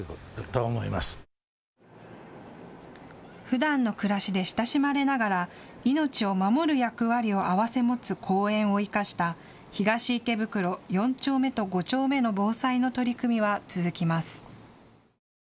ふだんの暮らしで親しまれながら命を守る役割を併せ持つ公園を生かした東池袋４丁目と５丁目の防災の取り組みは続きます。